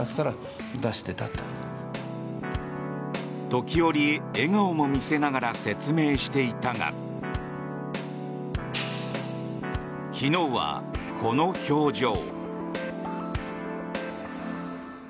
時折、笑顔も見せながら説明していたが昨日は、この表情。